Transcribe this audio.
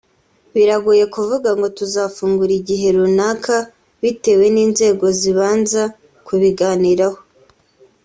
Biragoye kuvuga ngo tuzafungura igihe runaka bitewe n’inzego z’ibanza kubiganiraho